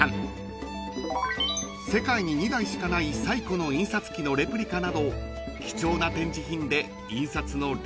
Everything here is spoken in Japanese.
［世界に２台しかない最古の印刷機のレプリカなど貴重な展示品で印刷の歴史が学べます］